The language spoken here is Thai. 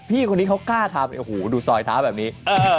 พี่เขากล้าทำนี่หูดูซอยท้าแบบนี้